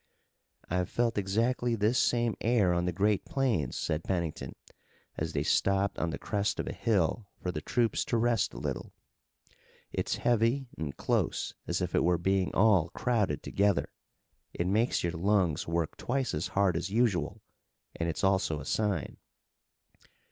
"I've felt exactly this same air on the great plains," said Pennington, as they stopped on the crest of a hill for the troops to rest a little. "It's heavy and close as if it were being all crowded together. It makes your lungs work twice as hard as usual, and it's also a sign."